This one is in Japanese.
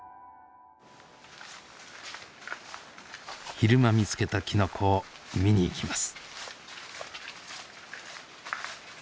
昼間見つけたきのこを見に行きます。